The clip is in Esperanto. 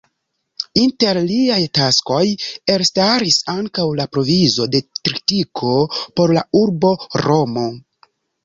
Inter liaj taskoj elstaris ankaŭ la provizo de tritiko por la urbo Romo.